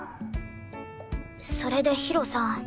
それでひろさん。